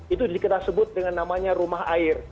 itu kita sebut dengan namanya rumah air